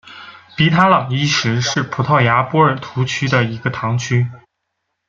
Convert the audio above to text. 比塔朗伊什是葡萄牙波尔图区的一个堂区。